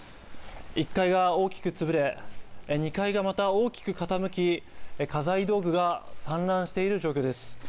１階が大きくつぶれ、２階がまた大きく傾き、家財道具が散乱している状況です。